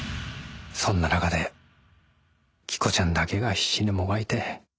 そんな中で着子ちゃんだけが必死にもがいて。